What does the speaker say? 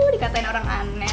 dikatain orang aneh